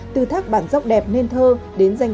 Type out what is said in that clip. từ thác bản dốc đẹp nên thơ đến danh chương trình